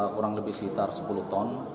kurang lebih sekitar sepuluh ton